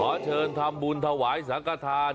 อ้าวขอเชิญทำบุญสวายสัมภาษณ์